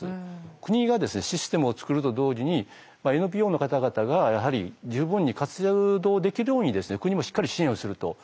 国がシステムを作ると同時にＮＰＯの方々がやはり十分に活動できるように国もしっかり支援をすると。